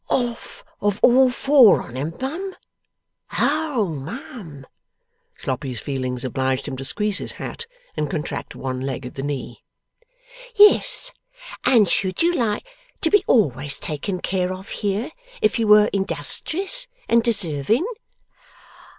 'Off of all four on 'em, mum? O mum!' Sloppy's feelings obliged him to squeeze his hat, and contract one leg at the knee. 'Yes. And should you like to be always taken care of here, if you were industrious and deserving?